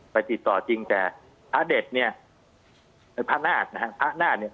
ไปติดต่อจริงแต่พระเด็ดเนี่ยเป็นพระนาฏนะฮะพระนาฏเนี่ย